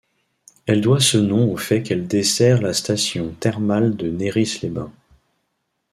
Elle doit ce nom au fait qu'elle dessert la station thermale de Néris-les-Bains.